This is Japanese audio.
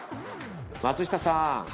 松下さん